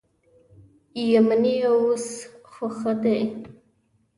یمنی و اوس خو ښه دي.